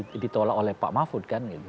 apa apa udah ditolak oleh pak mahfud kan gitu